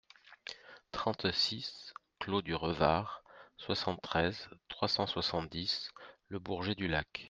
trente-six clos du Revard, soixante-treize, trois cent soixante-dix, Le Bourget-du-Lac